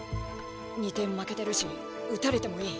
２点負けてるし打たれてもいい。